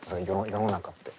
世の中って。